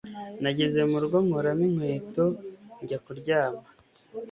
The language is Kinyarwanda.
Nageze mu rugo nkuramo inkweto njya kuryama